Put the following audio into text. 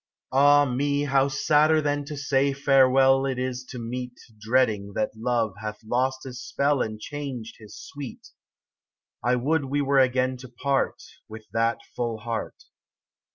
27 AH me, how sadder than to say farewell It is to meet Dreading that Love hath lost his spell And changed his sweet ! I would we were again to part, With that full heart.